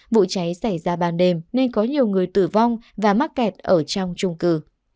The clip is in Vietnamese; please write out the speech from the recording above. vụ cháy xảy ra ban đêm nên có nhiều người tử vong và mắc kẹt ở trong trung cư